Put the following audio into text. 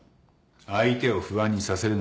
相手を不安にさせるな。